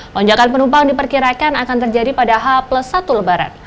lonjakan penumpang diperkirakan akan terjadi pada h satu lebaran